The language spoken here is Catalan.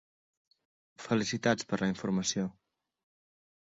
Felicitats per la informació.